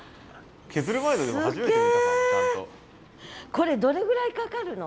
これどれぐらいかかるの？